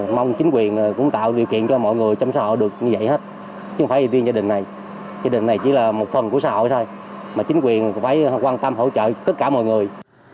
mong chính quyền cũng tạo điều kiện cho mọi người trong xã hội được như vậy hết chứ không phải riêng gia đình này gia đình này chỉ là một phần của xã hội thôi mà chính quyền phải quan tâm hỗ trợ tất cả mọi người